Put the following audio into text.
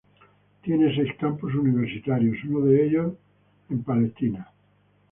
Tiene seis campus universitarios, uno de ellos en Israel.